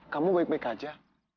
kamu baik baik aja